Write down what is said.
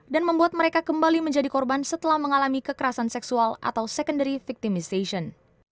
dan membuat mereka kembali menjadi korban setelah mengalami kekerasan seksual atau secondary victimization